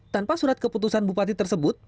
tanpa surat keputusan bupati tersebut